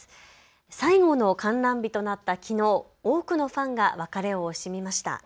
最後の観覧日となったきのう多くのファンが別れを惜しみました。